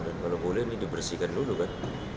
dan kalau boleh ini dibersihkan dulu kan